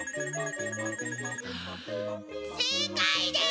正解です！